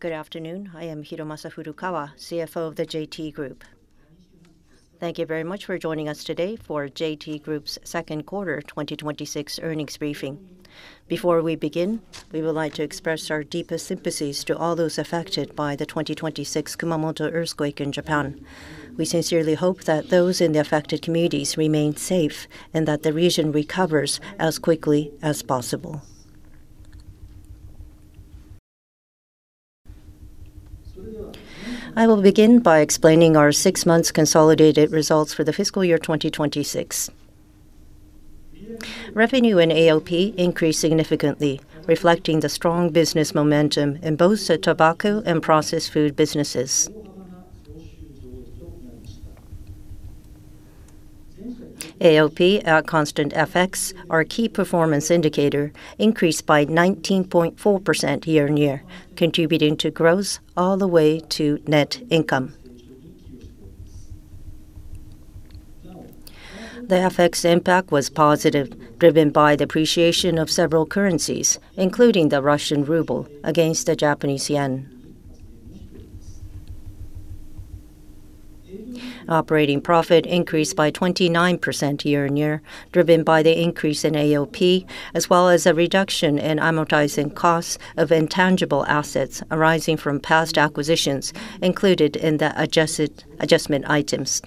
Good afternoon. I am Hiromasa Furukawa, CFO of the JT Group. Thank you very much for joining us today for JT Group's Q2 2026 Earnings Briefing. Before we begin, we would like to express our deepest sympathies to all those affected by the 2026 Kumamoto earthquake in Japan. We sincerely hope that those in the affected communities remain safe and that the region recovers as quickly as possible. I will begin by explaining our six months consolidated results for the fiscal year 2026. Revenue and AOP increased significantly, reflecting the strong business momentum in both the tobacco and processed food businesses. AOP at constant FX, our key performance indicator, increased by 19.4% year-on-year, contributing to growth all the way to net income. The FX impact was positive, driven by the appreciation of several currencies, including the Russian ruble against the Japanese yen. Operating profit increased by 29% year-on-year, driven by the increase in AOP, as well as a reduction in amortizing costs of intangible assets arising from past acquisitions included in the adjustment items.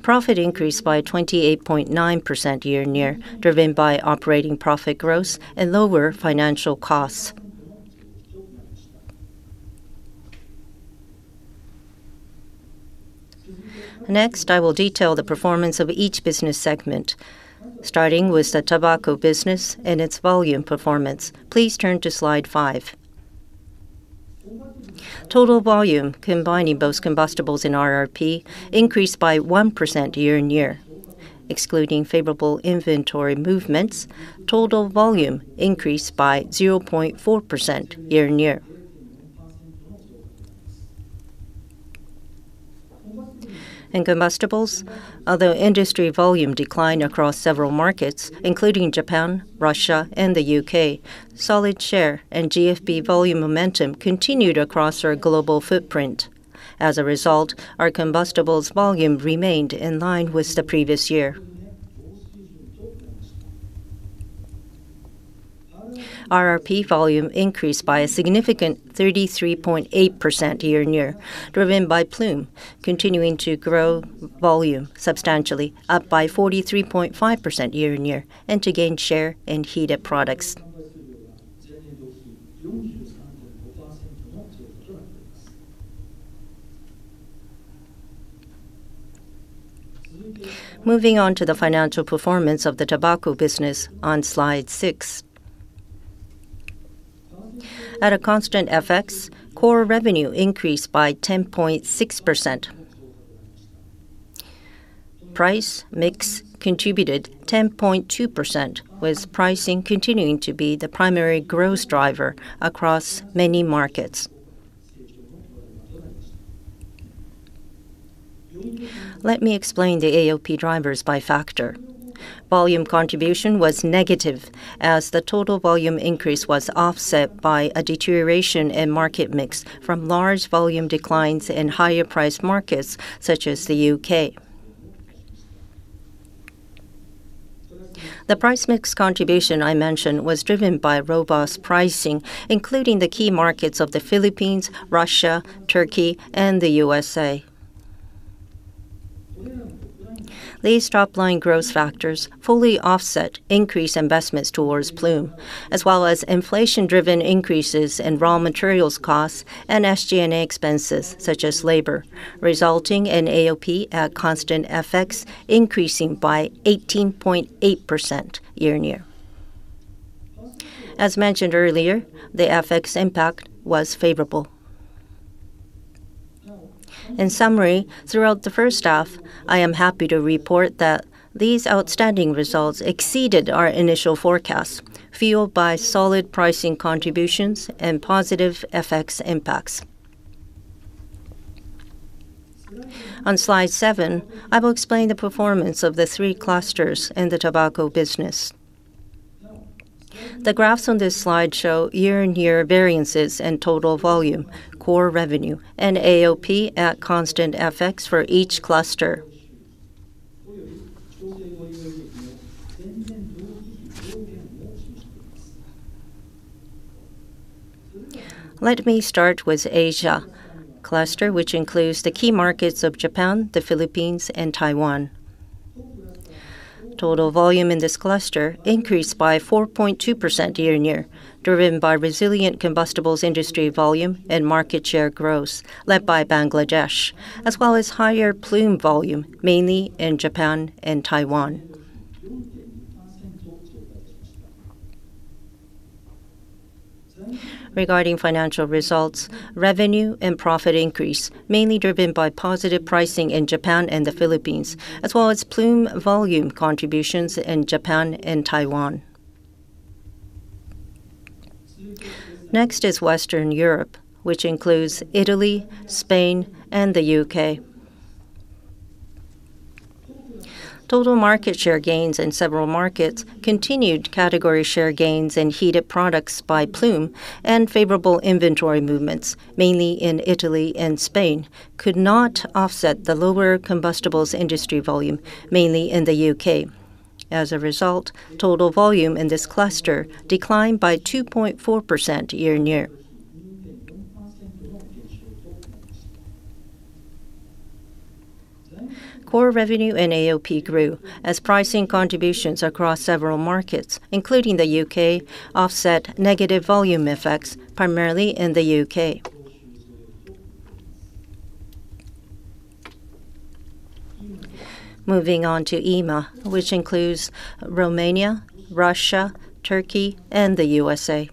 Profit increased by 28.9% year-on-year, driven by operating profit growth and lower financial costs. Next, I will detail the performance of each business segment, starting with the tobacco business and its volume performance. Please turn to slide five. Total volume, combining both combustibles and RRP, increased by 1% year-on-year. Excluding favorable inventory movements, total volume increased by 0.4% year-on-year. In combustibles, although industry volume declined across several markets, including Japan, Russia, and the U.K., solid share and GFB volume momentum continued across our global footprint. As a result, our combustibles volume remained in line with the previous year. RRP volume increased by a significant 33.8% year-on-year, driven by Ploom continuing to grow volume substantially, up by 43.5% year-on-year, and to gain share in heated products. Moving on to the financial performance of the tobacco business on slide six. At a constant FX, core revenue increased by 10.6%. Price mix contributed 10.2%, with pricing continuing to be the primary growth driver across many markets. Let me explain the AOP drivers by factor. Volume contribution was negative, as the total volume increase was offset by a deterioration in market mix from large volume declines in higher priced markets, such as the U.K. The price mix contribution I mentioned was driven by robust pricing, including the key markets of the Philippines, Russia, Turkey, and the U.S.A. These top-line growth factors fully offset increased investments towards Ploom, as well as inflation-driven increases in raw materials costs and SG&A expenses, such as labor, resulting in AOP at constant FX increasing by 18.8% year-on-year. As mentioned earlier, the FX impact was favorable. In summary, throughout the H1, I am happy to report that these outstanding results exceeded our initial forecasts, fueled by solid pricing contributions and positive FX impacts. On slide seven, I will explain the performance of the three clusters in the tobacco business. The graphs on this slide show year-on-year variances and total volume, core revenue, and AOP at constant FX for each cluster. Let me start with Asia cluster, which includes the key markets of Japan, the Philippines, and Taiwan. Total volume in this cluster increased by 4.2% year-on-year, driven by resilient combustibles industry volume and market share growth led by Bangladesh, as well as higher Ploom volume, mainly in Japan and Taiwan. Regarding financial results, revenue and profit increased, mainly driven by positive pricing in Japan and the Philippines, as well as Ploom volume contributions in Japan and Taiwan. Next is Western Europe, which includes Italy, Spain, and the U.K. Total market share gains in several markets, continued category share gains in heated products by Ploom, and favorable inventory movements, mainly in Italy and Spain, could not offset the lower combustibles industry volume, mainly in the U.K. As a result, total volume in this cluster declined by 2.4% year-on-year. Core revenue and AOP grew as pricing contributions across several markets, including the U.K., offset negative volume effects, primarily in the U.K. Moving on to EMA, which includes Romania, Russia, Turkey, and the U.S.A.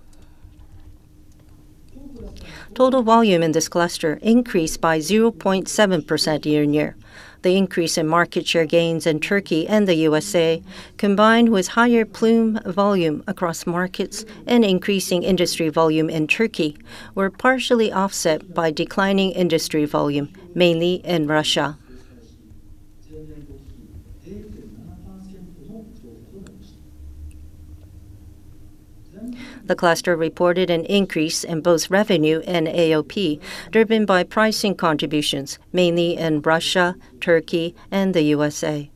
Total volume in this cluster increased by 0.7% year-on-year. The increase in market share gains in Turkey and the U.S.A., combined with higher Ploom volume across markets and increasing industry volume in Turkey, were partially offset by declining industry volume, mainly in Russia. The cluster reported an increase in both revenue and AOP, driven by pricing contributions, mainly in Russia, Turkey, and the U.S.A.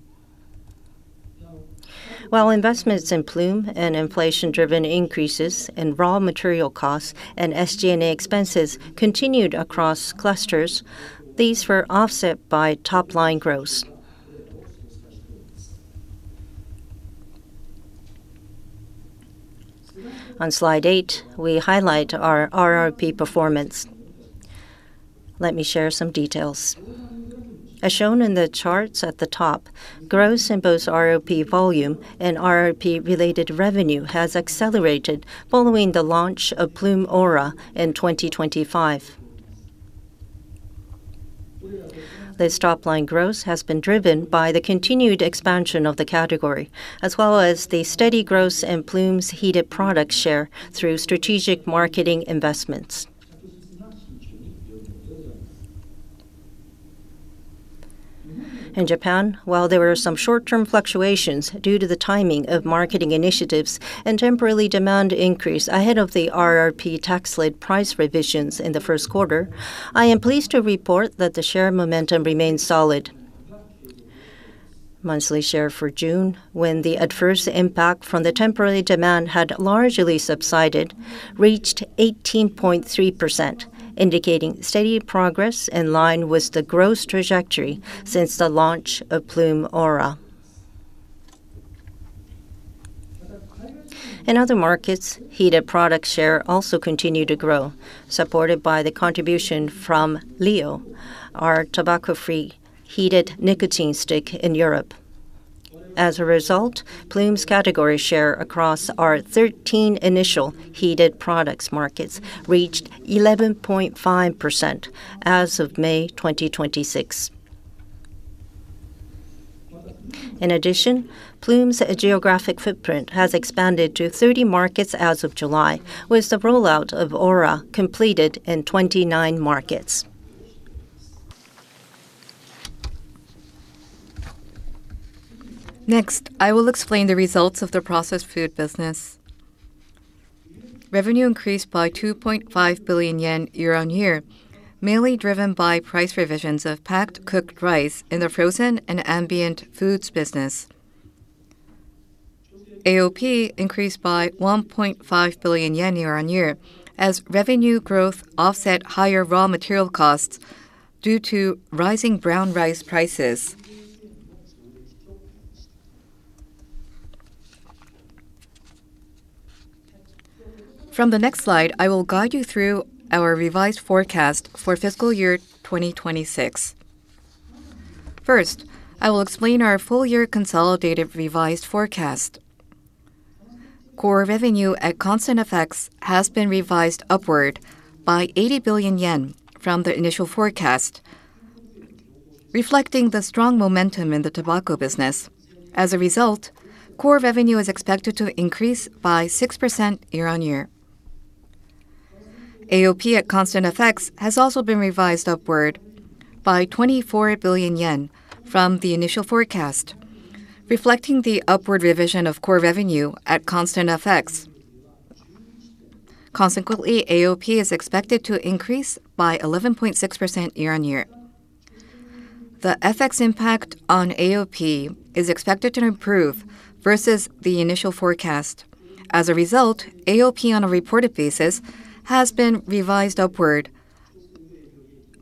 While investments in Ploom and inflation-driven increases in raw material costs and SG&A expenses continued across clusters, these were offset by top-line growth. On slide eight, we highlight our RRP performance. Let me share some details. As shown in the charts at the top, growth in both RRP volume and RRP-related revenue has accelerated following the launch of Ploom AURA in 2025. This top-line growth has been driven by the continued expansion of the category, as well as the steady growth in Ploom's heated product share through strategic marketing investments. In Japan, while there were some short-term fluctuations due to the timing of marketing initiatives and temporary demand increase ahead of the RRP tax-led price revisions in the first quarter, I am pleased to report that the share momentum remains solid. Monthly share for June, when the adverse impact from the temporary demand had largely subsided, reached 18.3%, indicating steady progress in line with the growth trajectory since the launch of Ploom AURA. In other markets, heated product share also continued to grow, supported by the contribution from LYO, our tobacco-free heated nicotine stick in Europe. As a result, Ploom's category share across our 13 initial heated products markets reached 11.5% as of May 2026. In addition, Ploom's geographic footprint has expanded to 30 markets as of July, with the rollout of AURA completed in 29 markets. I will explain the results of the processed food business. Revenue increased by 2.5 billion yen year-on-year, mainly driven by price revisions of packed cooked rice in the frozen and ambient foods business. AOP increased by 1.5 billion yen year-on-year, as revenue growth offset higher raw material costs due to rising brown rice prices. From the next slide, I will guide you through our revised forecast for FY 2026. I will explain our full-year consolidated revised forecast. Core revenue at constant FX has been revised upward by 80 billion yen from the initial forecast, reflecting the strong momentum in the tobacco business. Core revenue is expected to increase by 6% year-on-year. AOP at constant FX has also been revised upward by 24 billion yen from the initial forecast, reflecting the upward revision of core revenue at constant FX. Consequently, AOP is expected to increase by 11.6% year-on-year. The FX impact on AOP is expected to improve versus the initial forecast. As a result, AOP on a reported basis has been revised upward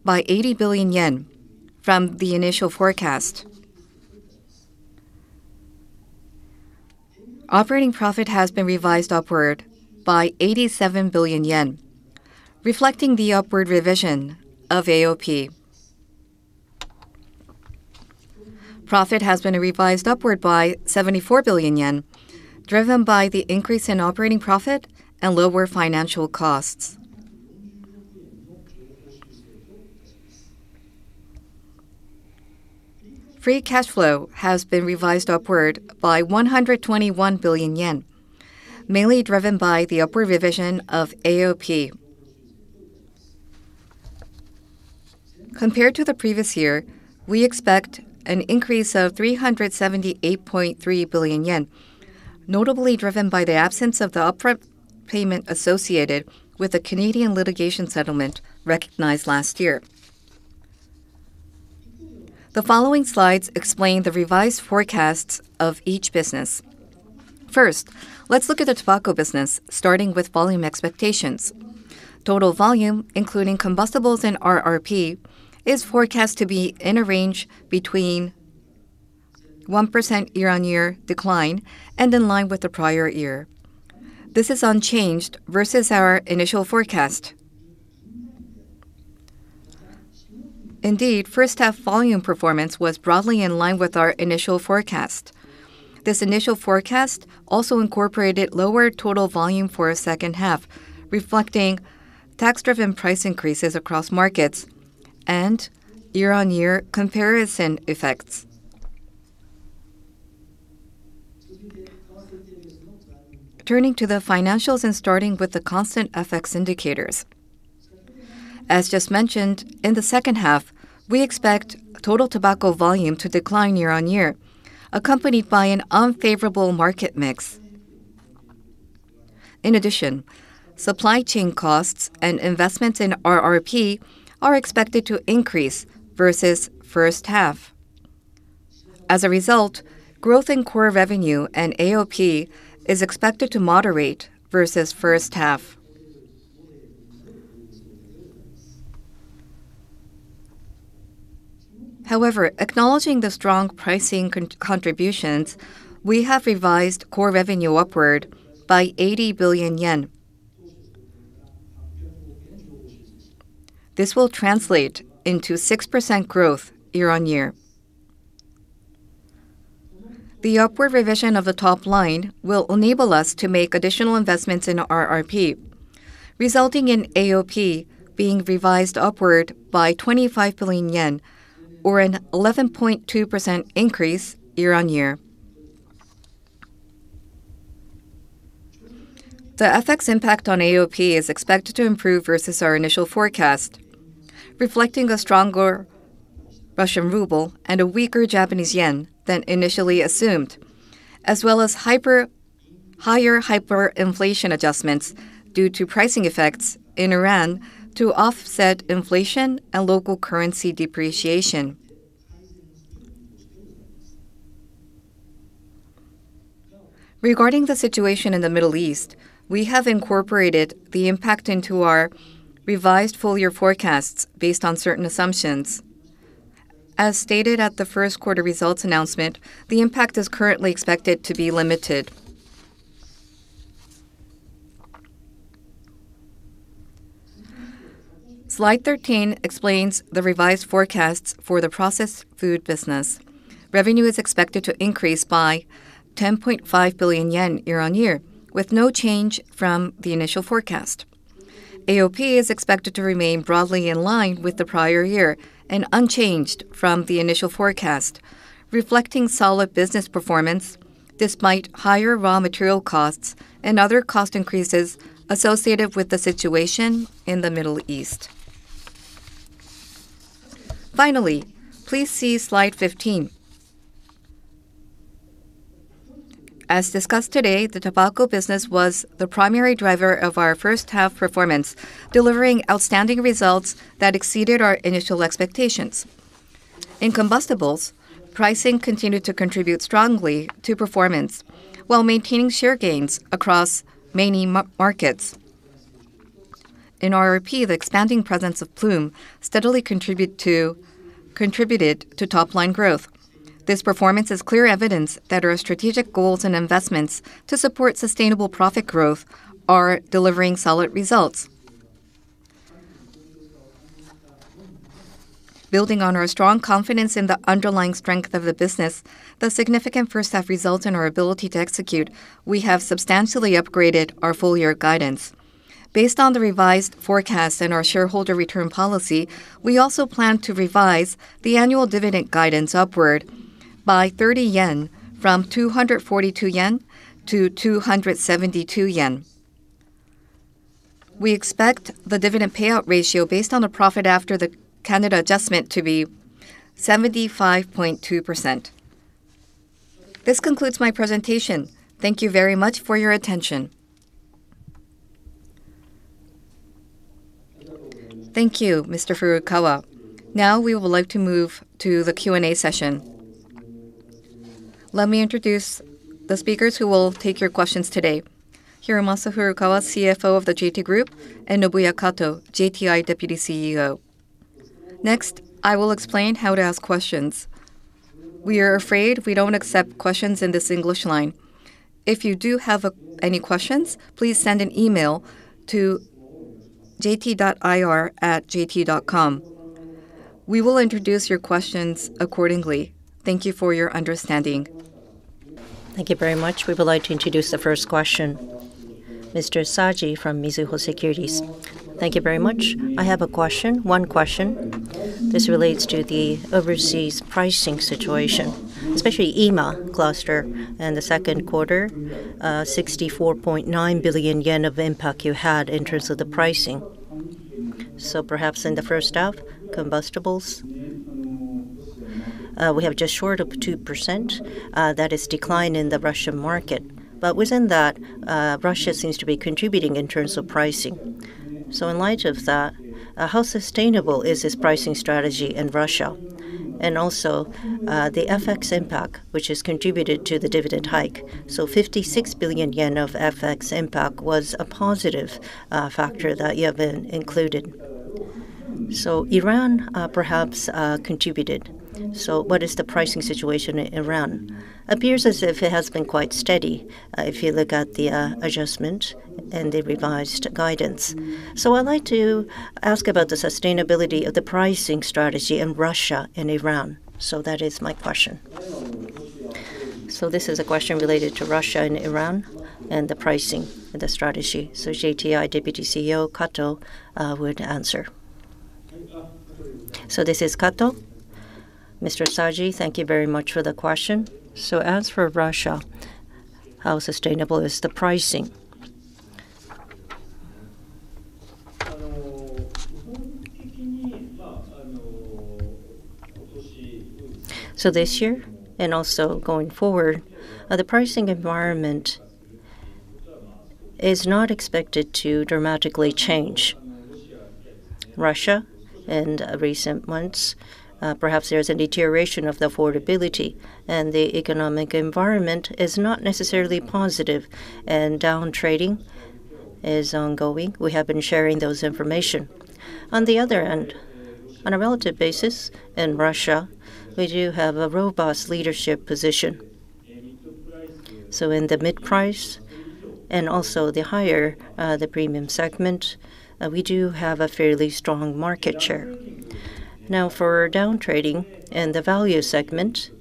by 80 billion yen from the initial forecast. Operating profit has been revised upward by 87 billion yen, reflecting the upward revision of AOP. Profit has been revised upward by 74 billion yen, driven by the increase in operating profit and lower financial costs. Free cash flow has been revised upward by 121 billion yen, mainly driven by the upward revision of AOP. Compared to the previous year, we expect an increase of 378.3 billion yen, notably driven by the absence of the upfront payment associated with the Canadian litigation settlement recognized last year. The following slides explain the revised forecasts of each business. First, let's look at the tobacco business, starting with volume expectations. Total volume, including combustibles and RRP, is forecast to be in a range between 1% year-on-year decline and in line with the prior year. This is unchanged versus our initial forecast. Indeed, H1 volume performance was broadly in line with our initial forecast. This initial forecast also incorporated lower total volume for a H2, reflecting tax-driven price increases across markets and year-on-year comparison effects. Turning to the financials and starting with the constant FX indicators. As just mentioned, in the H2, we expect total tobacco volume to decline year-on-year, accompanied by an unfavorable market mix. In addition, supply chain costs and investments in RRP are expected to increase versus H1. As a result, growth in core revenue and AOP is expected to moderate versus H1. However, acknowledging the strong pricing contributions, we have revised core revenue upward by 80 billion yen. This will translate into 6% growth year-on-year. The upward revision of the top line will enable us to make additional investments in RRP, resulting in AOP being revised upward by 25 billion yen, or an 11.2% increase year-on-year. The FX impact on AOP is expected to improve versus our initial forecast, reflecting a stronger Russian ruble and a weaker Japanese yen than initially assumed, as well as higher hyperinflation adjustments due to pricing effects in Iran to offset inflation and local currency depreciation. Regarding the situation in the Middle East, we have incorporated the impact into our revised full-year forecasts based on certain assumptions. As stated at the first quarter results announcement, the impact is currently expected to be limited. Slide 13 explains the revised forecasts for the processed food business. Revenue is expected to increase by 10.5 billion yen year-on-year, with no change from the initial forecast. AOP is expected to remain broadly in line with the prior year and unchanged from the initial forecast. Reflecting solid business performance despite higher raw material costs and other cost increases associated with the situation in the Middle East. Finally, please see slide 15. As discussed today, the tobacco business was the primary driver of our H1 performance, delivering outstanding results that exceeded our initial expectations. In combustibles, pricing continued to contribute strongly to performance while maintaining share gains across many markets. In RRP, the expanding presence of Ploom steadily contributed to top-line growth. This performance is clear evidence that our strategic goals and investments to support sustainable profit growth are delivering solid results. Building on our strong confidence in the underlying strength of the business, the significant H1 results, and our ability to execute, we have substantially upgraded our full-year guidance. Based on the revised forecast and our shareholder return policy, we also plan to revise the annual dividend guidance upward by 30 yen from 242 yen to 272 yen. We expect the dividend payout ratio based on the profit after the Canada Adjustment to be 75.2%. This concludes my presentation. Thank you very much for your attention. Thank you, Mr. Furukawa. We would like to move to the Q&A session. Let me introduce the speakers who will take your questions today. Hiromasa Furukawa, CFO of the JT Group, and Nobuya Kato, JTI Deputy CEO. I will explain how to ask questions. We are afraid we do not accept questions in this English line. If you do have any questions, please send an email to jt.ir@jt.com. We will introduce your questions accordingly. Thank you for your understanding. Thank you very much. We would like to introduce the first question. Mr. Saji from Mizuho Securities. Thank you very much. I have a question, one question. This relates to the overseas pricing situation, especially EMA cluster in the Q2, 64.9 billion yen of impact you had in terms of the pricing. Perhaps in the H1, combustibles We have just short of 2%, that is decline in the Russian market. But within that, Russia seems to be contributing in terms of pricing. In light of that, how sustainable is this pricing strategy in Russia? Also, the FX impact, which has contributed to the dividend hike. 56 billion yen of FX impact was a positive factor that you have included. Iran perhaps contributed. What is the pricing situation in Iran? Appears as if it has been quite steady, if you look at the adjustment and the revised guidance. I would like to ask about the sustainability of the pricing strategy in Russia and Iran. That is my question. This is a question related to Russia and Iran, and the pricing and the strategy. JTI Deputy CEO Kato would answer. This is Kato. Mr. Saji, thank you very much for the question. As for Russia, how sustainable is the pricing? This year, and also going forward, the pricing environment is not expected to dramatically change. Russia, in recent months, perhaps there is a deterioration of the affordability, and the economic environment is not necessarily positive, and down trading is ongoing. We have been sharing those information. On the other hand, on a relative basis, in Russia, we do have a robust leadership position. In the mid price and also the higher, the premium segment, we do have a fairly strong market share. For down trading and the value segment,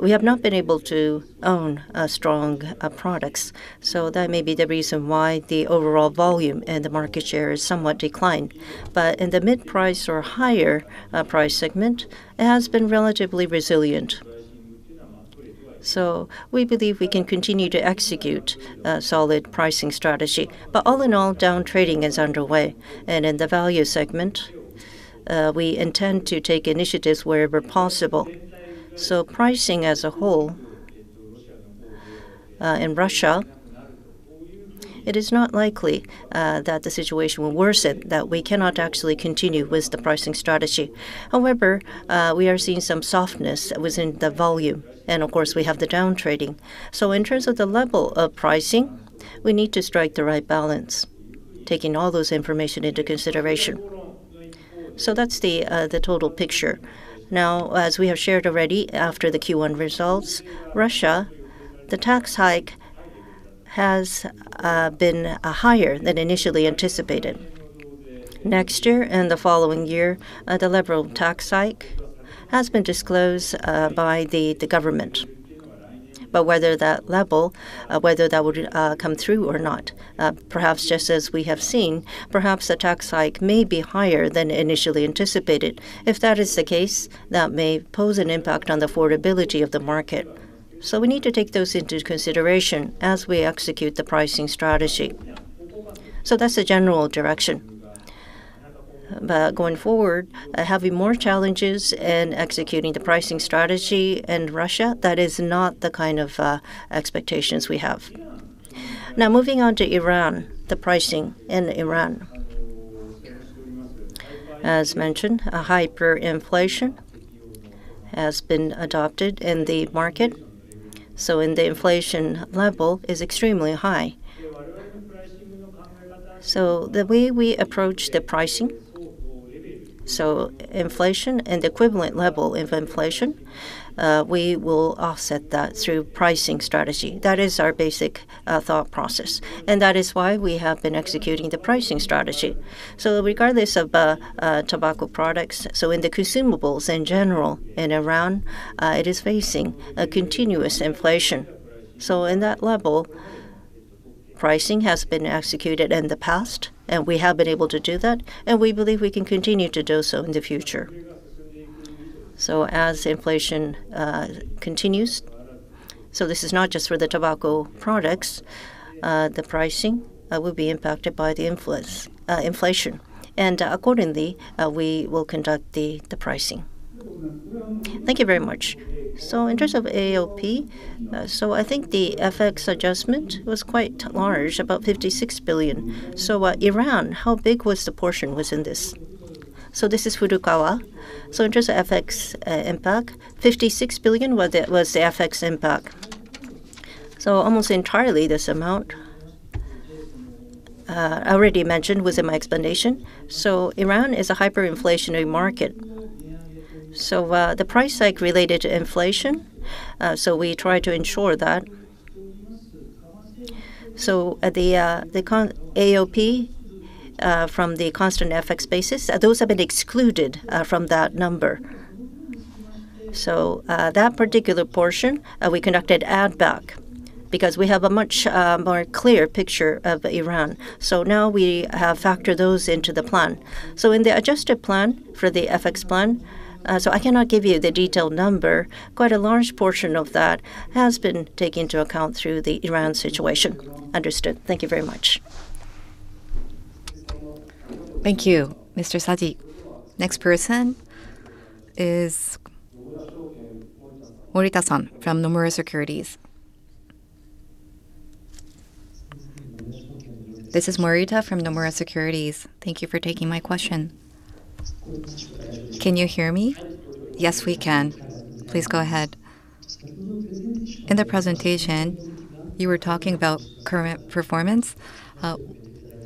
we have not been able to own strong products. That may be the reason why the overall volume and the market share has somewhat declined. In the mid price or higher price segment, it has been relatively resilient. We believe we can continue to execute a solid pricing strategy. All in all, down trading is underway. In the value segment, we intend to take initiatives wherever possible. Pricing as a whole in Russia, it is not likely that the situation will worsen, that we cannot actually continue with the pricing strategy. However, we are seeing some softness within the volume. Of course, we have the down trading. In terms of the level of pricing, we need to strike the right balance, taking all those information into consideration. That's the total picture. As we have shared already, after the Q1 results, Russia, the tax hike has been higher than initially anticipated. Next year and the following year, the liberal tax hike has been disclosed by the government. Whether that level, whether that will come through or not, perhaps just as we have seen, perhaps the tax hike may be higher than initially anticipated. If that is the case, that may pose an impact on the affordability of the market. We need to take those into consideration as we execute the pricing strategy. That's the general direction. Going forward, having more challenges in executing the pricing strategy in Russia, that is not the kind of expectations we have. Moving on to Iran, the pricing in Iran. As mentioned, a hyperinflation has been adopted in the market. The inflation level is extremely high. The way we approach the pricing, inflation and equivalent level of inflation, we will offset that through pricing strategy. That is our basic thought process, and that is why we have been executing the pricing strategy. Regardless of tobacco products, in the consumables in general in Iran, it is facing a continuous inflation. In that level, pricing has been executed in the past, and we have been able to do that, and we believe we can continue to do so in the future. As inflation continues, this is not just for the tobacco products, the pricing will be impacted by the inflation. Accordingly, we will conduct the pricing. Thank you very much. In terms of AOP, I think the FX adjustment was quite large, about 56 billion. Iran, how big was the portion within this? This is Furukawa. In terms of FX impact, 56 billion was the FX impact. Almost entirely this amount, I already mentioned within my explanation. Iran is a hyperinflationary market. The price hike related to inflation, we try to ensure that. The AOP from the constant FX basis, those have been excluded from that number. That particular portion, we conducted adback, because we have a much more clear picture of Iran. Now we have factored those into the plan. In the adjusted plan for the FX plan, I cannot give you the detailed number, quite a large portion of that has been taken into account through the Iran situation. Understood. Thank you very much. Thank you, Mr. Saji. Next person is Morita-san from Nomura Securities. This is Morita from Nomura Securities. Thank you for taking my question. Can you hear me? Yes, we can. Please go ahead. In the presentation, you were talking about current performance,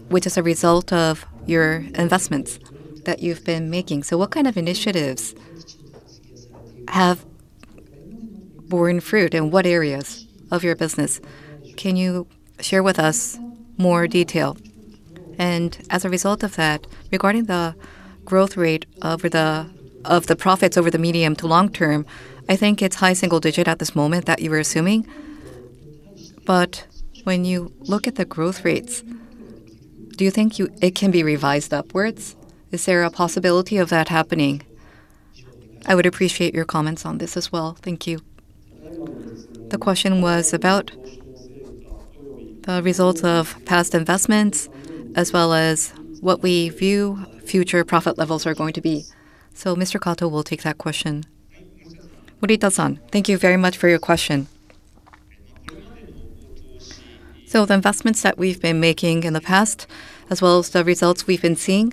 which is a result of your investments that you've been making. What kind of initiatives have borne fruit, in what areas of your business? Can you share with us more detail? As a result of that, regarding the growth rate of the profits over the medium to long term, I think it's high single-digit at this moment that you were assuming. When you look at the growth rates, do you think it can be revised upwards? Is there a possibility of that happening? I would appreciate your comments on this as well. Thank you. The question was about the results of past investments as well as what we view future profit levels are going to be. Mr. Kato will take that question. Morita-san, thank you very much for your question. The investments that we've been making in the past, as well as the results we've been seeing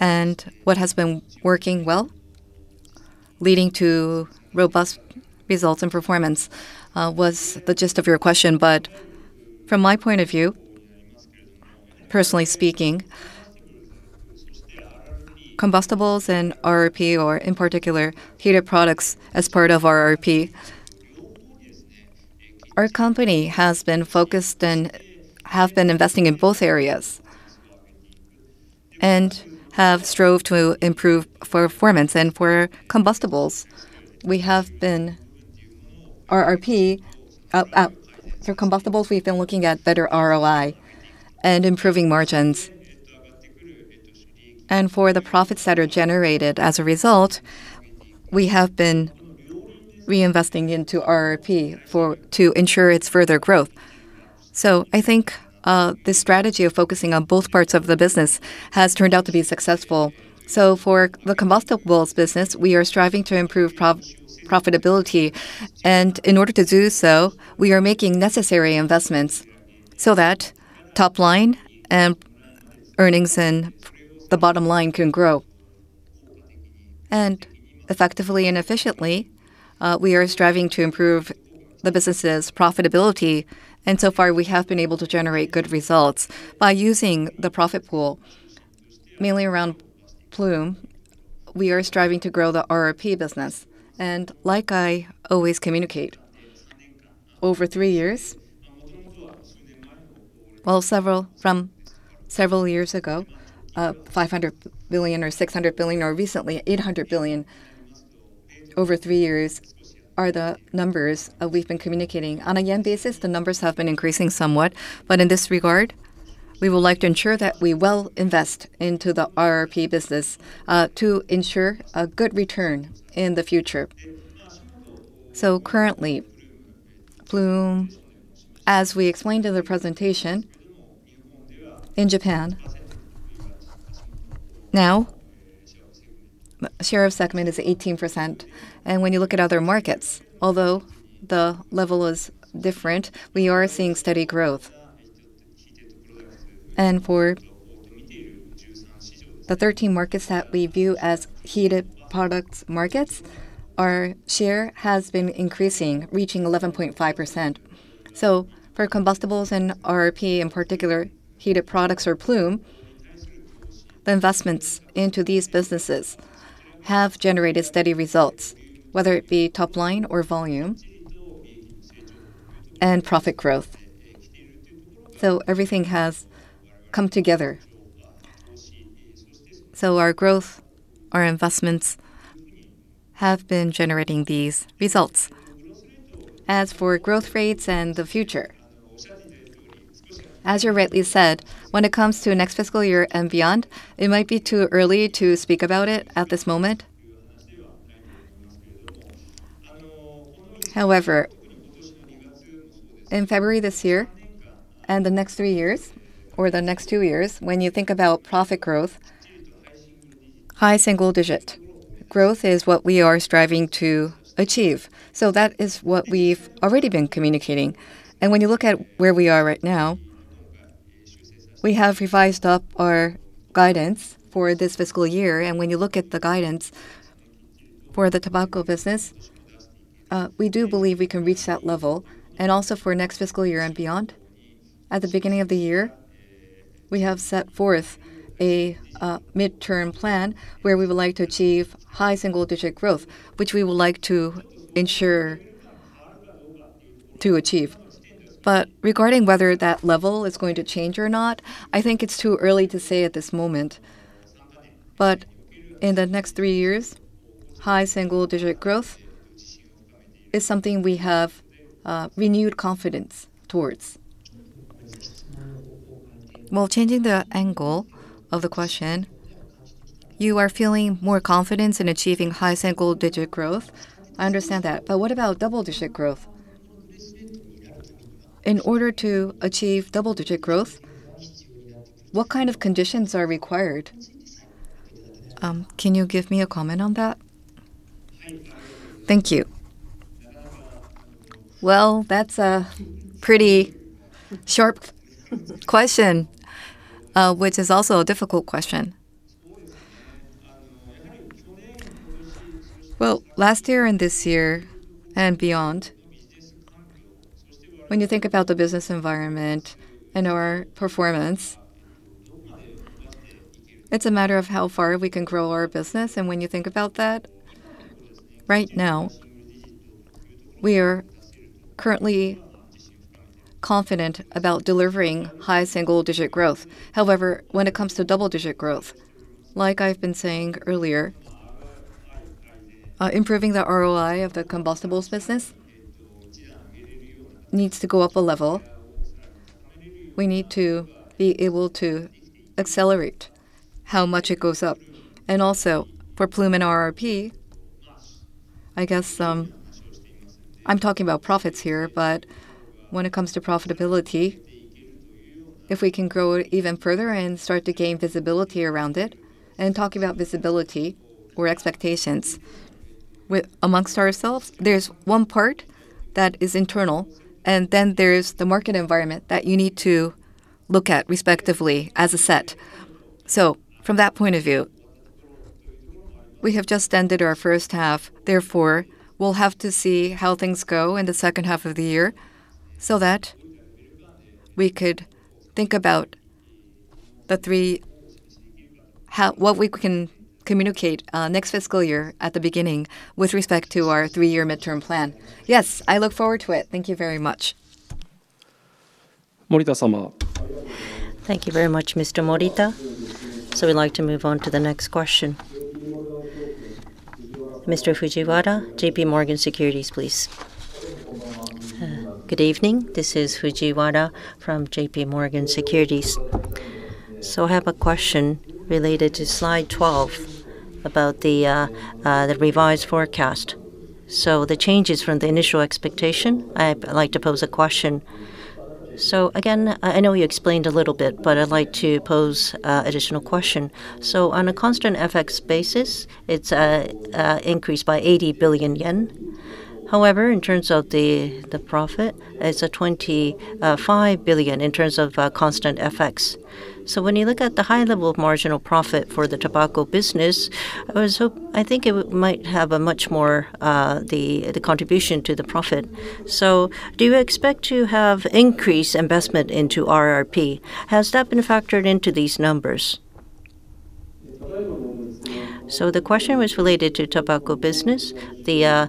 and what has been working well, leading to robust results and performance, was the gist of your question. From my point of view, personally speaking, combustibles and RRP or in particular heated products as part of RRP, our company has been focused and have been investing in both areas and have strove to improve for performance. For combustibles, we've been looking at better ROI and improving margins. For the profits that are generated as a result, we have been reinvesting into RRP to ensure its further growth. I think this strategy of focusing on both parts of the business has turned out to be successful. For the combustibles business, we are striving to improve profitability, and in order to do so, we are making necessary investments so that top line earnings and the bottom line can grow. Effectively and efficiently, we are striving to improve the business's profitability, and so far, we have been able to generate good results. By using the profit pool mainly around Ploom, we are striving to grow the RRP business. Like I always communicate, over 3 years, from several years ago, 500 billion or 600 billion, or recently 800 billion over 3 years are the numbers we've been communicating. On a yen basis, the numbers have been increasing somewhat, but in this regard, we would like to ensure that we well invest into the RRP business to ensure a good return in the future. Currently, Ploom, as we explained in the presentation, in Japan now, share of segment is 18%, and when you look at other markets, although the level is different, we are seeing steady growth. For the 13 markets that we view as heated products markets, our share has been increasing, reaching 11.5%. For combustibles and RRP, in particular heated products or Ploom, the investments into these businesses have generated steady results, whether it be top line or volume and profit growth. Everything has come together. Our growth, our investments have been generating these results. As for growth rates and the future, as you rightly said, when it comes to next fiscal year and beyond, it might be too early to speak about it at this moment. However, in February this year and the next three years or the next two years, when you think about profit growth, high single-digit growth is what we are striving to achieve. That is what we've already been communicating. When you look at where we are right now, we have revised up our guidance for this fiscal year, and when you look at the guidance for the tobacco business, we do believe we can reach that level and also for next fiscal year and beyond. At the beginning of the year, we have set forth a midterm plan where we would like to achieve high single-digit growth, which we would like to ensure to achieve. Regarding whether that level is going to change or not, I think it's too early to say at this moment. In the next three years, high single-digit growth is something we have renewed confidence towards. Well, changing the angle of the question, you are feeling more confidence in achieving high single-digit growth. I understand that, what about double-digit growth? In order to achieve double-digit growth, what kind of conditions are required? Can you give me a comment on that? Thank you. Well, that's a pretty sharp question, which is also a difficult question. Well, last year and this year and beyond, when you think about the business environment and our performance, it's a matter of how far we can grow our business. When you think about that, right now, we are currently confident about delivering high single-digit growth. However, when it comes to double-digit growth, like I've been saying earlier, improving the ROI of the combustibles business needs to go up a level. We need to be able to accelerate how much it goes up. Also, for Ploom and RRP, I guess, I'm talking about profits here, when it comes to profitability, if we can grow it even further and start to gain visibility around it. Talking about visibility or expectations amongst ourselves, there's one part that is internal, and then there's the market environment that you need to look at respectively as a set. From that point of view, we have just ended our H1. Therefore, we'll have to see how things go in the H2 of the year so that we could think about what we can communicate next fiscal year at the beginning with respect to our three-year midterm plan. Yes, I look forward to it. Thank you very much. Thank you very much, Mr. Morita. We'd like to move on to the next question. Mr. Fujiwara, JPMorgan Securities, please. Good evening. This is Fujiwara from JPMorgan Securities. I have a question related to slide 12 about the revised forecast. The changes from the initial expectation, I'd like to pose a question. Again, I know you explained a little bit, but I'd like to pose additional question. On a constant FX basis, it's increased by 80 billion yen. However, in terms of the profit, it's 25 billion in terms of constant FX. When you look at the high level of marginal profit for the tobacco business, I think it might have a much more contribution to the profit. Do you expect to have increased investment into RRP? Has that been factored into these numbers? The question was related to tobacco business, the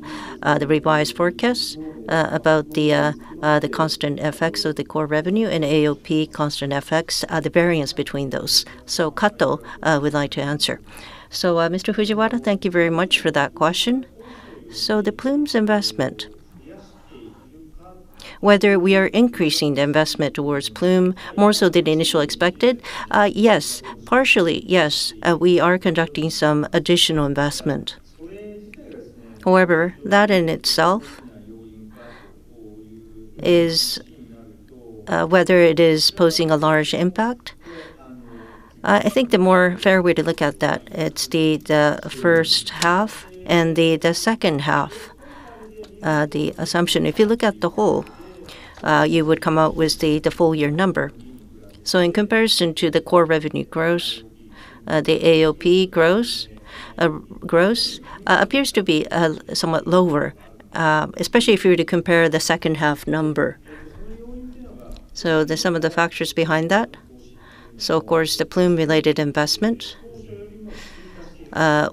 revised forecast, about the constant FX of the core revenue and AOP constant FX, the variance between those. Kato would like to answer. Mr. Fujiwara, thank you very much for that question. The Ploom's investment, whether we are increasing the investment towards Ploom more so than initially expected, yes. Partially, yes, we are conducting some additional investment. However, that in itself, whether it is posing a large impact, I think the more fair way to look at that, it's the H1 and the H2, the assumption. If you look at the whole, you would come out with the full year number. In comparison to the core revenue growth, the AOP growth appears to be somewhat lower, especially if you were to compare the H2 number. Some of the factors behind that. Of course, the Ploom-related investment.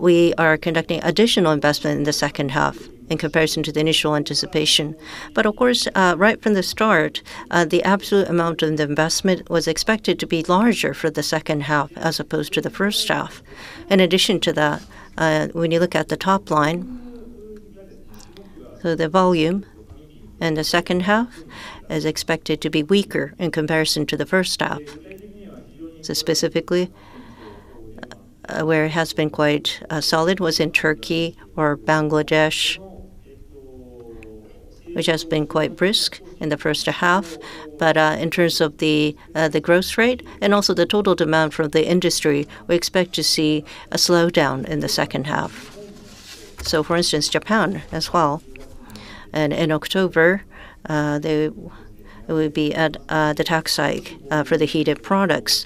We are conducting additional investment in the H2 in comparison to the initial anticipation. Of course, right from the start, the absolute amount of the investment was expected to be larger for the H2 as opposed to the H1. In addition to that, when you look at the top line, the volume in the H2 is expected to be weaker in comparison to the H1. Specifically, where it has been quite solid was in Turkey or Bangladesh, which has been quite brisk in the H1. But in terms of the growth rate and also the total demand for the industry, we expect to see a slowdown in the H2. For instance, Japan as well. In October, there will be the tax hike for the heated products.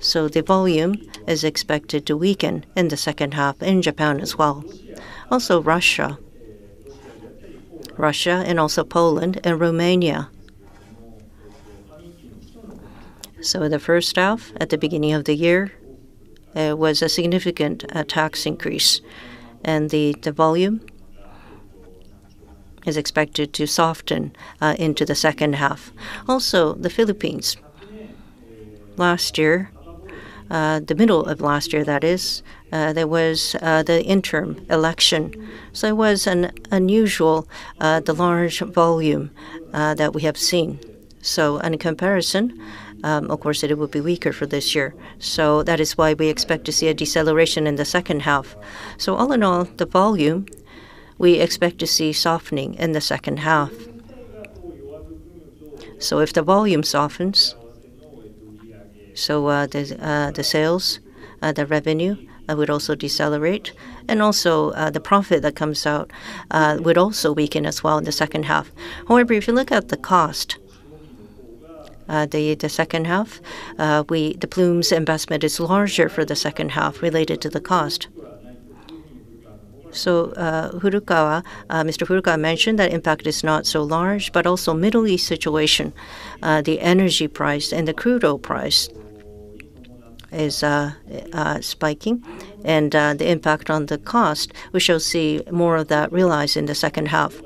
The volume is expected to weaken in the H2 in Japan as well. Russia and also Poland and Romania. The H1, at the beginning of the year, there was a significant tax increase, and the volume is expected to soften into the H2. The Philippines, the middle of last year, there was the interim election, so it was unusual, the large volume that we have seen. In comparison, of course, it will be weaker for this year. That is why we expect to see a deceleration in the H2. All in all, the volume, we expect to see softening in the H2. If the volume softens, the sales, the revenue would also decelerate, and also the profit that comes out would also weaken as well in the H2. However, if you look at the cost, the H2, the Ploom's investment is larger for the H2 related to the cost. Mr. Furukawa mentioned that impact is not so large, but also Middle East situation, the energy price and the crude oil price is spiking. The impact on the cost, we shall see more of that realized in the H2.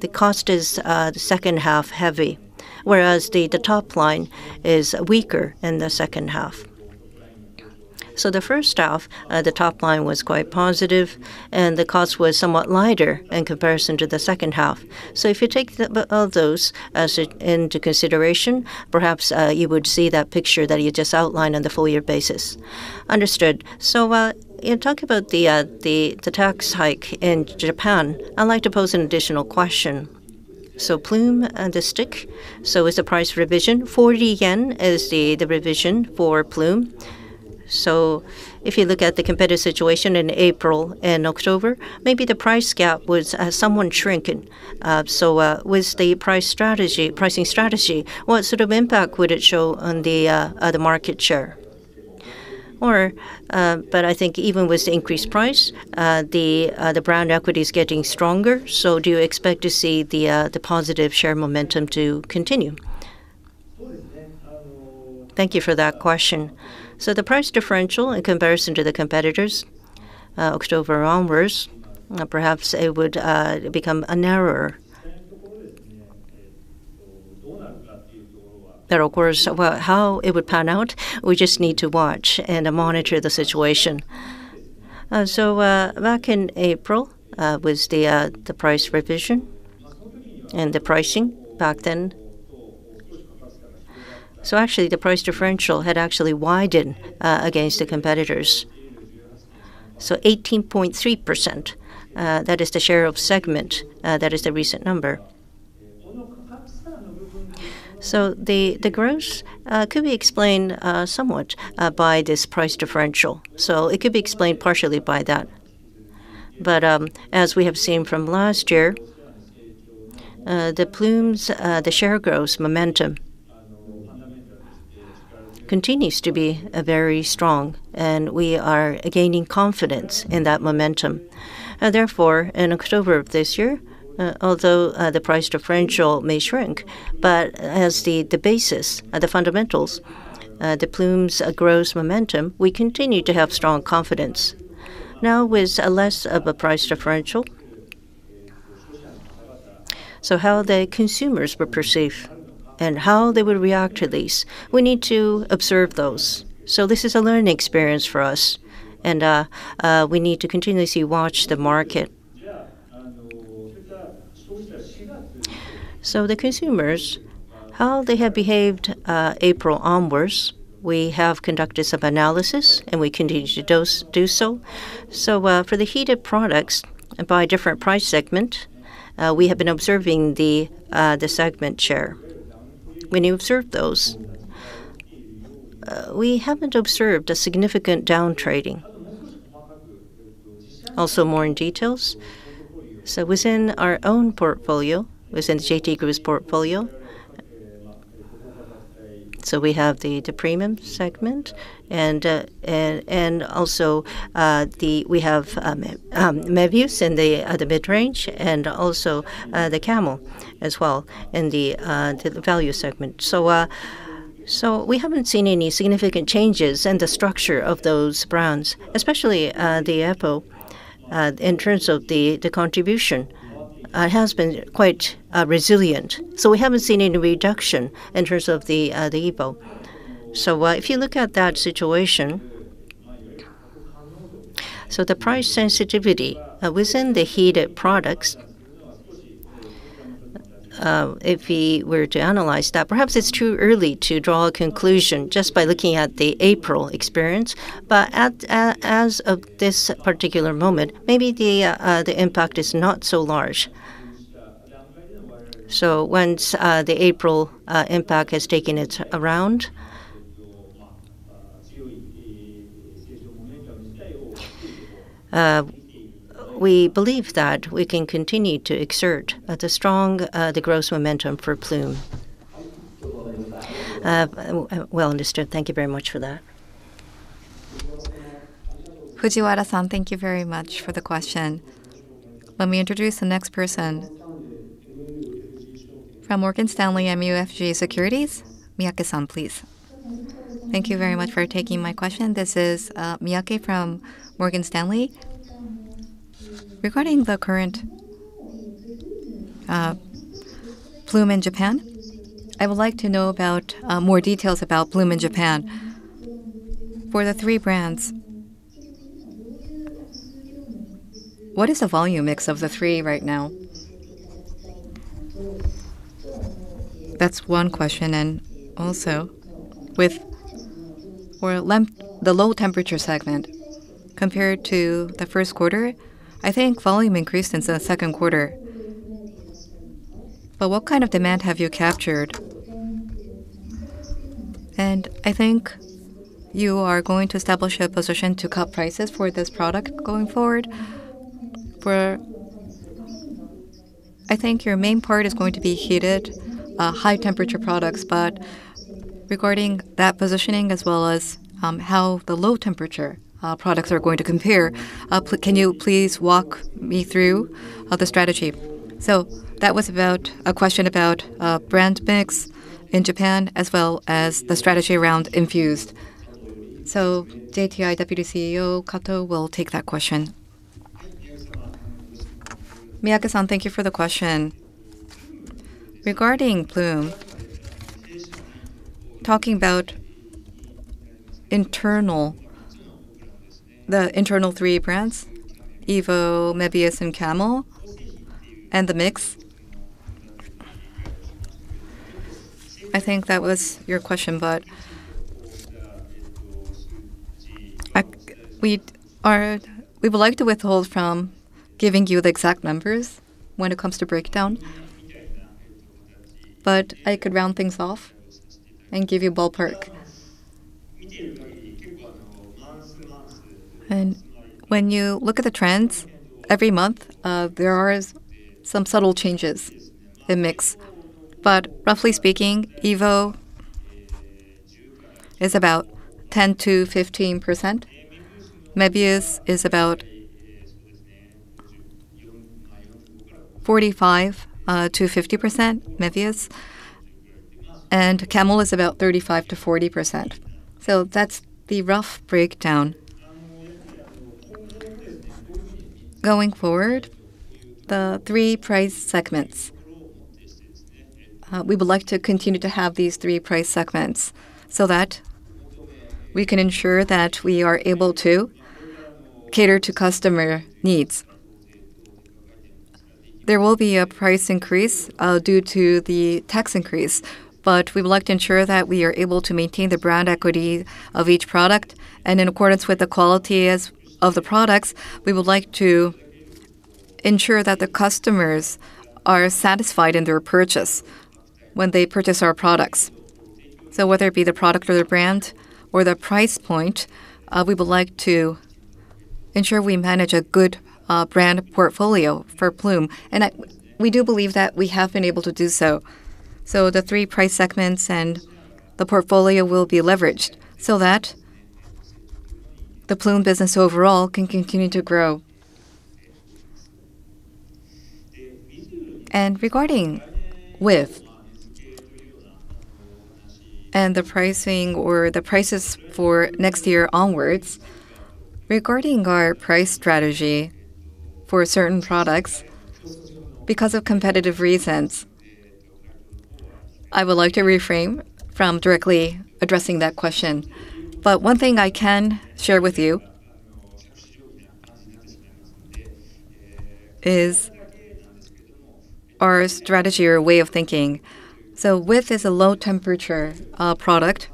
The cost is H2 heavy, whereas the top line is weaker in the H2. The H1, the top line was quite positive, and the cost was somewhat lighter in comparison to the H2. If you take all those into consideration, perhaps you would see that picture that you just outlined on the full-year basis. Understood. You talk about the tax hike in Japan. I'd like to pose an additional question. Ploom and the Stick, as the price revision, 40 yen is the revision for Ploom. If you look at the competitive situation in April and October, maybe the price gap was somewhat shrinking. With the pricing strategy, what sort of impact would it show on the other market share? I think even with the increased price, the brand equity is getting stronger. Do you expect to see the positive share momentum to continue? Thank you for that question. The price differential in comparison to the competitors, October onwards, perhaps it would become narrower. Of course, how it would pan out, we just need to watch and monitor the situation. Back in April was the price revision and the pricing back then. Actually, the price differential had actually widened against the competitors. 18.3%, that is the share of segment. That is the recent number. The growth could be explained somewhat by this price differential. It could be explained partially by that. As we have seen from last year, the Ploom's, the share growth momentum continues to be very strong, and we are gaining confidence in that momentum. Therefore, in October of this year, although the price differential may shrink, but as the basis of the fundamentals, the Ploom's growth momentum, we continue to have strong confidence. Now with less of a price differential, how the consumers will perceive and how they will react to this, we need to observe those. This is a learning experience for us, and we need to continuously watch the market. The consumers, how they have behaved April onwards, we have conducted some analysis, and we continue to do so. For the heated products, by different price segment, we have been observing the segment share. When you observe those, we haven't observed a significant down trading. More in details, within our own portfolio, within JT Group's portfolio, we have the premium segment, and also we have Mevius in the mid-range, and also the Camel as well in the value segment. We haven't seen any significant changes in the structure of those brands, especially the EPO in terms of the contribution. It has been quite resilient. We haven't seen any reduction in terms of the EPO. If you look at that situation, the price sensitivity within the heated products, if we were to analyze that, perhaps it's too early to draw a conclusion just by looking at the April experience. As of this particular moment, maybe the impact is not so large. Once the April impact has taken its round, we believe that we can continue to exert the strong growth momentum for Ploom. Well understood. Thank you very much for that. Fujiwara, thank you very much for the question. Let me introduce the next person. From Morgan Stanley MUFG Securities, Miyake-san, please. Thank you very much for taking my question. This is Miyake from Morgan Stanley. Regarding the current Ploom in Japan, I would like to know about more details about Ploom in Japan. For the three brands, what is the volume mix of the three right now? That's one question. For the low temperature segment compared to the first quarter, I think volume increased since the Q2. What kind of demand have you captured? I think you are going to establish a position to cut prices for this product going forward. I think your main part is going to be heated, high temperature products. Regarding that positioning as well as how the low temperature products are going to compare, can you please walk me through the strategy? That was a question about brand mix in Japan, as well as the strategy around infused. JTI Deputy CEO Kato will take that question. Miyake-san, thank you for the question. Regarding Ploom, talking about the internal three brands, EVO, Mevius, and Camel, and the mix. I think that was your question. We would like to withhold from giving you the exact numbers when it comes to breakdown. I could round things off and give you ballpark. When you look at the trends, every month, there are some subtle changes in mix. Roughly speaking, EVO is about 10%-15%. Mevius is about 45%-50%, Mevius. Camel is about 35%-40%. That's the rough breakdown. Going forward, the three price segments. We would like to continue to have these three price segments so that we can ensure that we are able to cater to customer needs. There will be a price increase due to the tax increase, we would like to ensure that we are able to maintain the brand equity of each product, in accordance with the quality of the products, we would like to ensure that the customers are satisfied in their purchase when they purchase our products. Whether it be the product or the brand or the price point, we would like to ensure we manage a good brand portfolio for Ploom. We do believe that we have been able to do so. The three price segments and the portfolio will be leveraged so that the Ploom business overall can continue to grow. Regarding Whiff and the pricing or the prices for next year onwards, regarding our price strategy for certain products, because of competitive reasons, I would like to refrain from directly addressing that question. One thing I can share with you is our strategy or way of thinking. Whiff is a low-temperature product.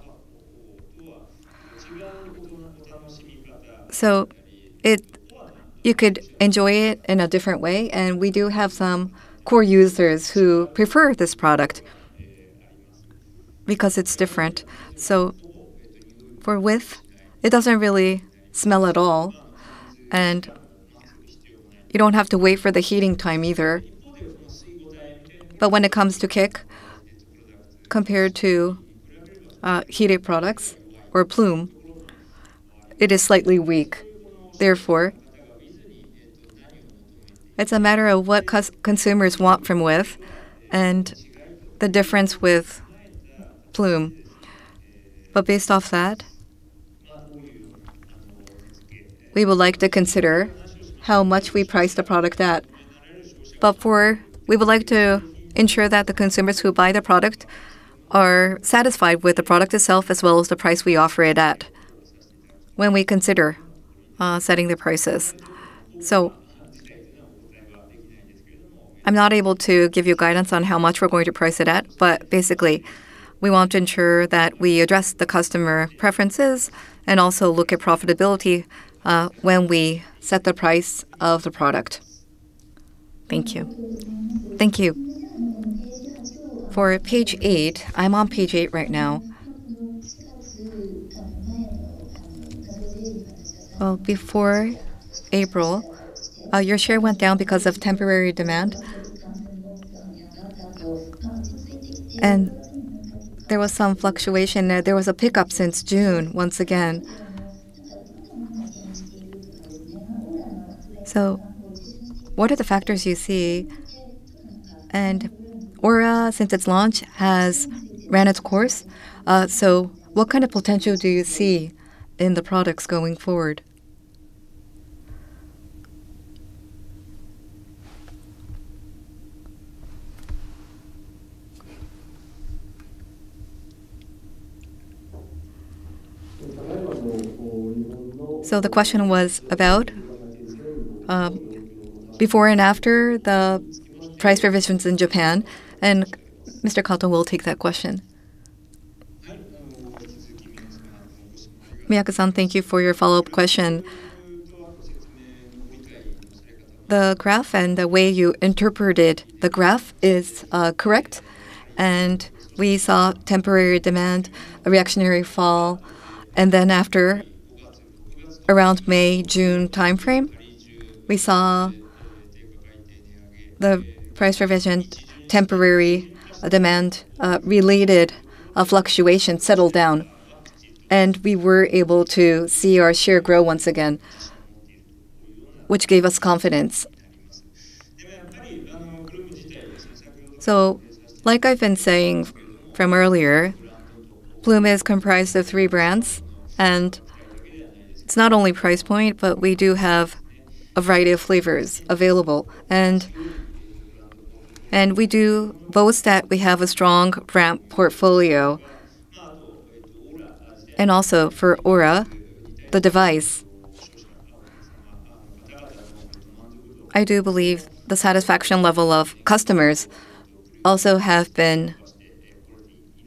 You could enjoy it in a different way, we do have some core users who prefer this product because it's different. For Whiff, it doesn't really smell at all, you don't have to wait for the heating time either. When it comes to kick, compared to heated products or Ploom, it is slightly weak. Therefore, it's a matter of what consumers want from Whiff and the difference with Ploom. Based off that, we would like to consider how much we price the product at. We would like to ensure that the consumers who buy the product are satisfied with the product itself as well as the price we offer it at when we consider setting the prices. I'm not able to give you guidance on how much we're going to price it at, basically, we want to ensure that we address the customer preferences and also look at profitability when we set the price of the product. Thank you. Thank you. For page eight, I'm on page eight right now. Before April, your share went down because of temporary demand, there was some fluctuation there. There was a pickup since June, once again. What are the factors you see? AURA, since its launch, has ran its course, what kind of potential do you see in the products going forward? The question was about before and after the price revisions in Japan, Mr. Kato will take that question. Miyake-san, thank you for your follow-up question. The graph and the way you interpreted the graph is correct, we saw temporary demand, a reactionary fall, then after, around May, June timeframe, we saw the price revision temporary demand related fluctuation settle down, we were able to see our share grow once again, which gave us confidence. Like I've been saying from earlier, Ploom is comprised of three brands. It's not only price point, we do have a variety of flavors available, we do boast that we have a strong brand portfolio. For AURA, the device, I do believe the satisfaction level of customers also have been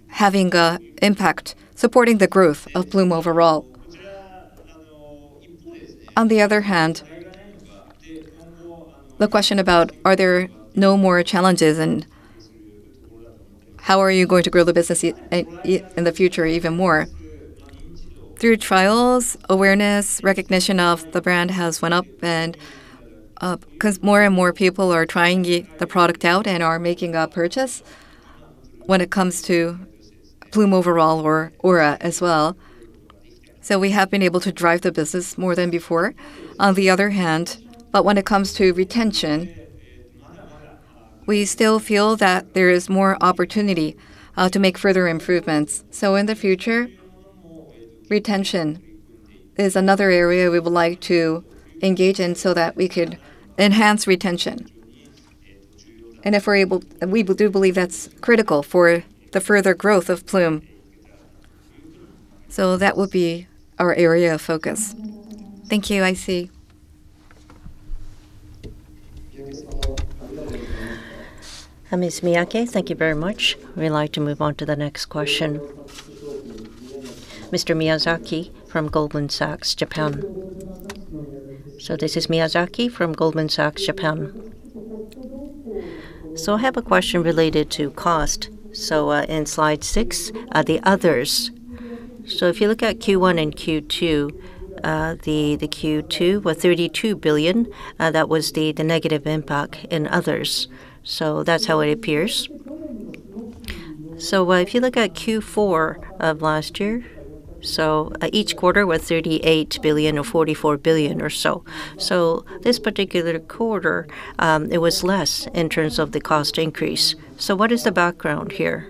having impact supporting the growth of Ploom overall. On the other hand, the question about are there no more challenges, and how are you going to grow the business in the future even more? Through trials, awareness, recognition of the brand has went up and up because more and more people are trying the product out and are making a purchase when it comes to Ploom overall or AURA as well. We have been able to drive the business more than before. On the other hand, but when it comes to retention, we still feel that there is more opportunity to make further improvements. In the future, retention is another area we would like to engage in so that we could enhance retention. We do believe that's critical for the further growth of Ploom. That will be our area of focus. Thank you, I see. Ms. Miyake, thank you very much. We'd like to move on to the next question. Mr. Miyazaki from Goldman Sachs Japan. This is Miyazaki from Goldman Sachs Japan. I have a question related to cost. In slide six, the others. If you look at Q1 and Q2, the Q2 was 32 billion. That was the negative impact in others. That's how it appears. If you look at Q4 of last year, each quarter was 38 billion or 44 billion or so. This particular quarter, it was less in terms of the cost increase. What is the background here?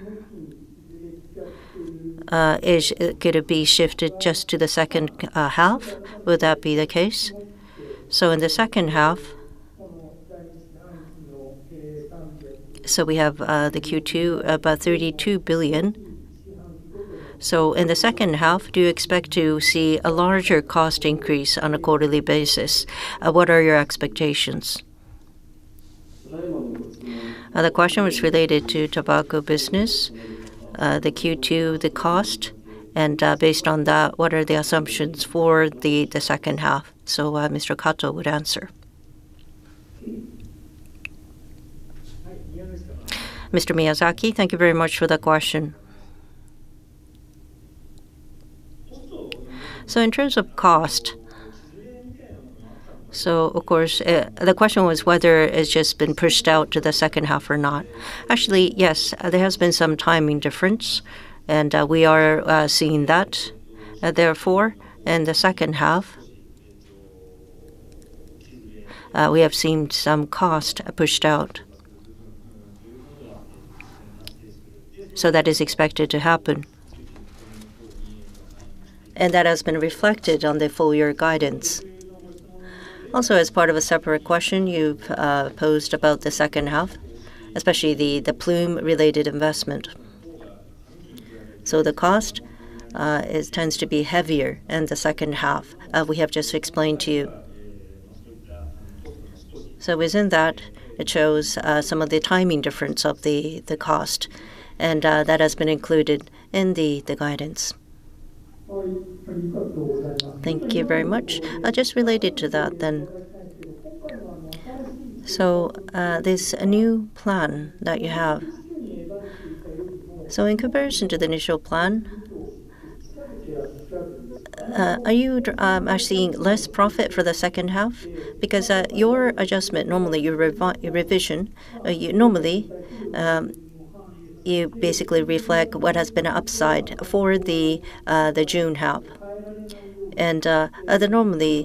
Is it going to be shifted just to the H2? Will that be the case? In the H2, we have the Q2 about 32 billion. In the H2, do you expect to see a larger cost increase on a quarterly basis? What are your expectations? The question was related to tobacco business, the Q2, the cost, and based on that, what are the assumptions for the H2? Mr. Kato would answer. Mr. Miyazaki, thank you very much for the question. In terms of cost, so of course, the question was whether it's just been pushed out to the H2 or not. Actually, yes, there has been some timing difference, and we are seeing that. Therefore, in the H2, we have seen some cost pushed out. That is expected to happen. That has been reflected on the full-year guidance. Also, as part of a separate question you've posed about the H2, especially the Ploom-related investment. The cost tends to be heavier in the H2. We have just explained to you. Within that, it shows some of the timing difference of the cost, and that has been included in the guidance. Thank you very much. Just related to that. This new plan that you have. In comparison to the initial plan, are you seeing less profit for the H2? Your adjustment, normally your revision, normally you basically reflect what has been upside for the June half. Normally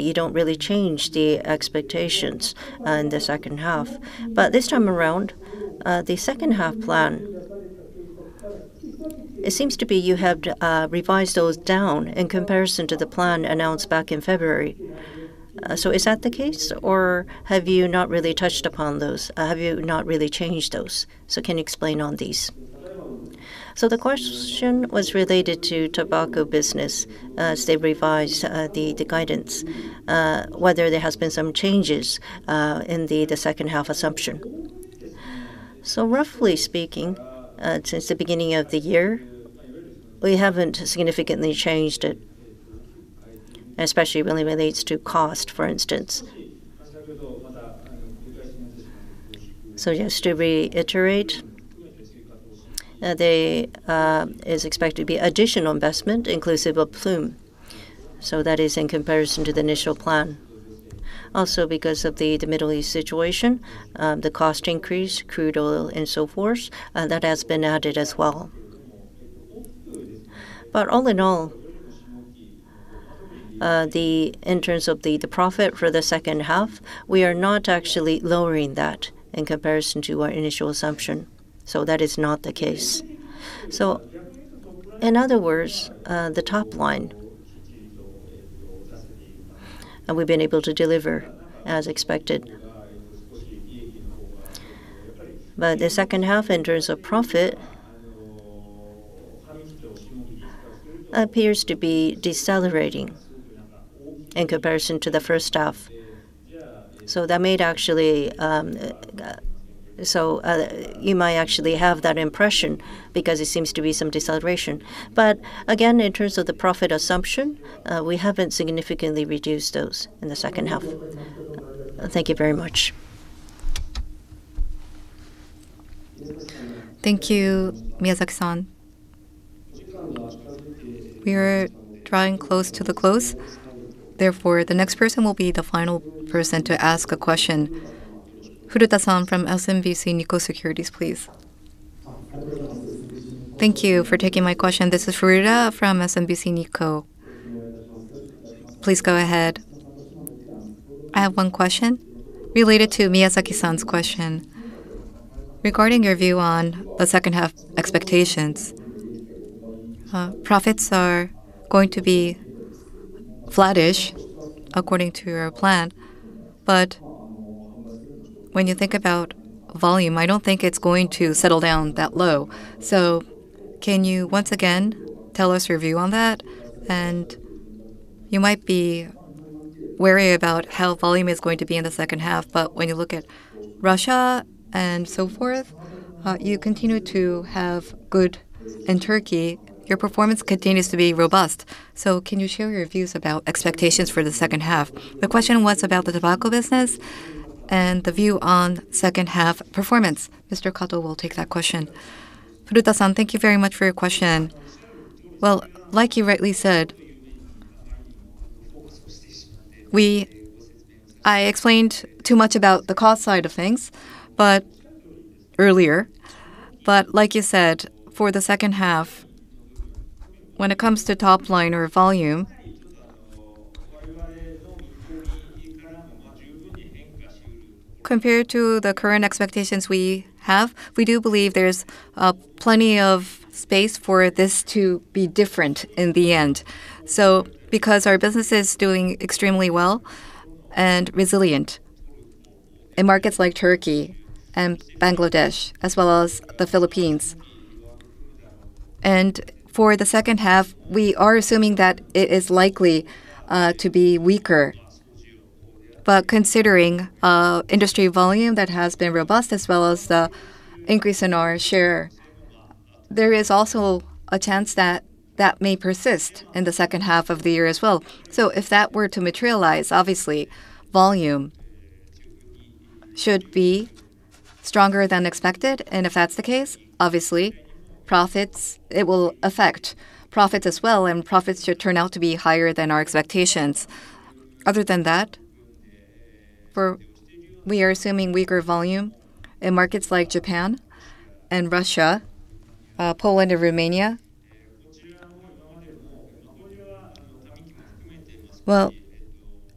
you don't really change the expectations in the H2. This time around, the H2 plan, it seems to be you have revised those down in comparison to the plan announced back in February. Is that the case, or have you not really touched upon those? Have you not really changed those? Can you explain on these? The question was related to tobacco business as they revised the guidance, whether there has been some changes in the H2 assumption. Roughly speaking, since the beginning of the year, we haven't significantly changed it, especially when it relates to cost, for instance. Just to reiterate, there is expected to be additional investment inclusive of Ploom. That is in comparison to the initial plan. Also, because of the Middle East situation, the cost increase, crude oil, and so forth, that has been added as well. All in all, in terms of the profit for the H2, we are not actually lowering that in comparison to our initial assumption. That is not the case. In other words, the top line, we've been able to deliver as expected. The H2, in terms of profit, appears to be decelerating in comparison to the H1. You might actually have that impression because it seems to be some deceleration. Again, in terms of the profit assumption, we haven't significantly reduced those in the H2. Thank you very much. Thank you, Miyazaki-san. We are drawing close to the close. The next person will be the final person to ask a question. Furuta-san from SMBC Nikko Securities, please. Thank you for taking my question. This is Furuta from SMBC Nikko. Please go ahead. I have one question related to Miyazaki-san's question. Regarding your view on the H2 expectations, profits are going to be flattish according to your plan. When you think about volume, I don't think it's going to settle down that low. Can you once again tell us your view on that? You might be wary about how volume is going to be in the H2, when you look at Russia and so forth, you continue to have good. In Turkey, your performance continues to be robust. Can you share your views about expectations for the H2? The question was about the tobacco business and the view on H2 performance. Mr. Kato will take that question. Furuta-san, thank you very much for your question. Like you rightly said, I explained too much about the cost side of things earlier. Like you said, for the H2, when it comes to top line or volume, compared to the current expectations we have, we do believe there's plenty of space for this to be different in the end. Our business is doing extremely well and resilient in markets like Turkey and Bangladesh, as well as the Philippines. For the H2, we are assuming that it is likely to be weaker. Considering industry volume that has been robust, as well as the increase in our share, there is also a chance that that may persist in the H2 of the year as well. If that were to materialize, obviously volume should be stronger than expected. If that's the case, obviously it will affect profits as well, and profits should turn out to be higher than our expectations. Other than that, we are assuming weaker volume in markets like Japan and Russia, Poland, and Romania.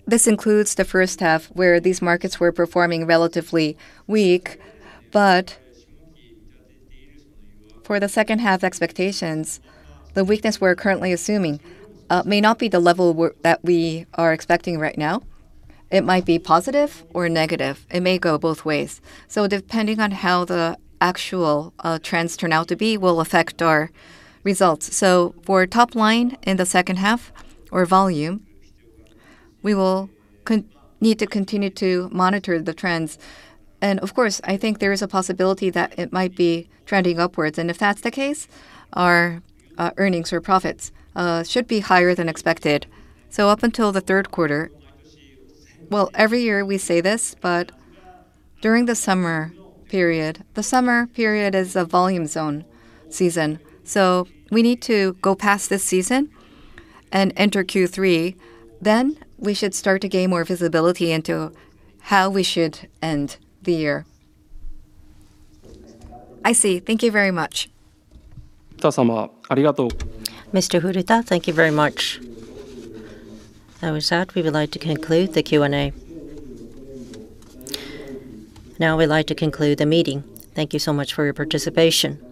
This includes the H1, where these markets were performing relatively weak. For the H2 expectations, the weakness we're currently assuming may not be the level that we are expecting right now. It might be positive or negative. It may go both ways. Depending on how the actual trends turn out to be will affect our results. For top line in the H2 or volume, we will need to continue to monitor the trends. Of course, I think there is a possibility that it might be trending upwards, and if that's the case, our earnings or profits should be higher than expected. Up until the third quarter, every year we say this, during the summer period, the summer period is a volume zone season. We need to go past this season and enter Q3, then we should start to gain more visibility into how we should end the year. I see. Thank you very much. Mr. Furuta, thank you very much. That was that. We would like to conclude the Q&A. We'd like to conclude the meeting. Thank you so much for your participation.